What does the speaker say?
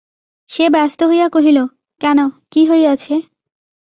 সে ব্যস্ত হইয়া কহিল, কেন, কী হইয়াছে?